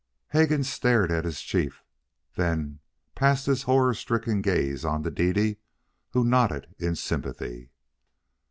Hegan stared at his chief, then passed his horror stricken gaze on to Dede, who nodded in sympathy.